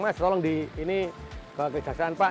mas tolong di ini ke kejaksaan pak